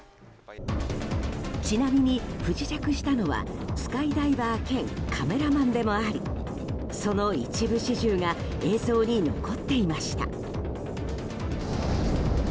ちなみに不時着したのはスカイダイバー兼カメラマンでもありその一部始終が映像に残っていました。